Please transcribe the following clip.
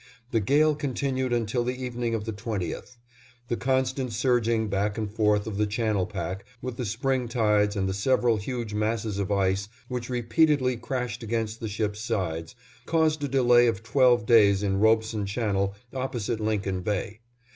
The gale continued until the evening of the 20th. The constant surging back and forth of the channel pack, with the spring tides and the several huge masses of ice, which repeatedly crashed against the ship's sides, caused a delay of twelve days in Robeson Channel opposite Lincoln Bay.